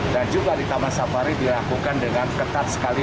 dan juga di taman safari dilakukan dengan ketat sekali